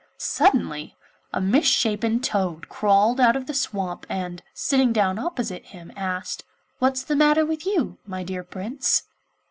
Suddenly a misshapen toad crawled out of the swamp, and, sitting down opposite him, asked: 'What's the matter with you, my dear Prince?